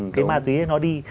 cái ma túy nó đi